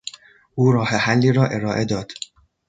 او راه حلی را ارائه داد.